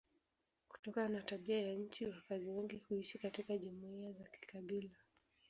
Kutokana na tabia ya nchi wakazi wengi huishi katika jumuiya za kikabila.